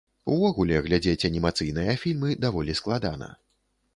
Увогуле, глядзець анімацыйныя фільмы даволі складана.